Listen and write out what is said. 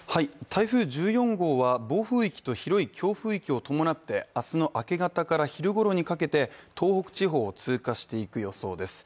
台風１４号は暴風域と広い雨・風を伴って明日の明け方から昼頃にかけて東北地方を通過していく予定です。